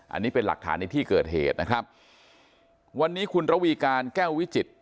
อันนี้เป็นหลักฐานในที่เกิดเหตุนะครับวันนี้คุณระวีการแก้ววิจิตร